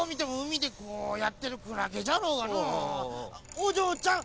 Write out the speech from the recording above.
おじょうちゃん